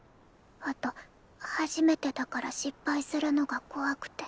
あと初めてだから失敗するのが怖くて。